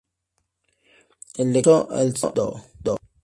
El exitoso Lcdo.